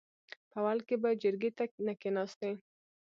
په اول کې به جرګې ته نه کېناستې .